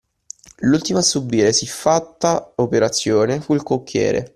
L’ultimo a subire siffatta operazione fu il cocchiere.